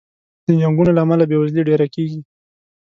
د جنګونو له امله بې وزلي ډېره کېږي.